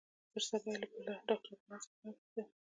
پر سبا يې له ډاکتر بلال څخه مې وپوښتل.